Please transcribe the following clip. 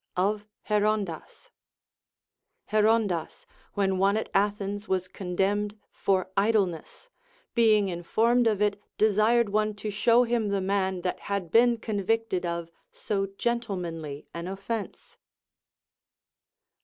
Of Herondas. Herondas, when one at Athens was condemned for idle ness, being informed of it desired one to show him the man that had been convicted of so gentlemanly an oifence.